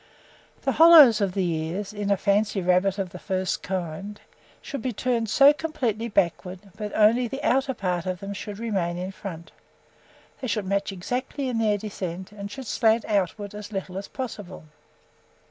The hollows of the ears, in a fancy rabbit of a first rate kind, should be turned so completely backwards that only the outer part of them should remain in front: they should match exactly in their descent, and should slant outwards as little as possible."